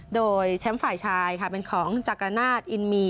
โดยแชมป์ฝ่ายชายค่ะเป็นของจักรนาศอินมี